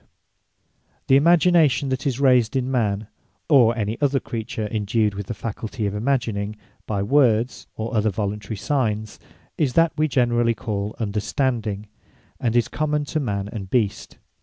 Understanding The Imagination that is raysed in man (or any other creature indued with the faculty of imagining) by words, or other voluntary signes, is that we generally call Understanding; and is common to Man and Beast.